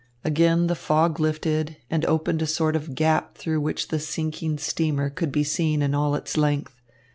Again the fog lifted and opened a sort of gap through which the sinking steamer could be seen in all its length.